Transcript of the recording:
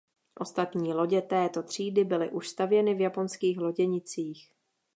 Ostatní lodě této třídy byly už stavěny v japonských loděnicích.